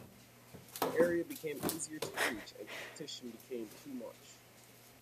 The area became easier to reach and competition became too much.